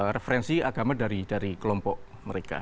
referensi agama dari kelompok mereka